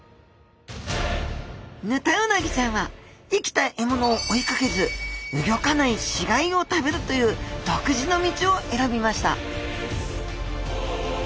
ヌタウナギちゃんは生きた獲物を追いかけずうギョかない死がいを食べるという独自の道を選びました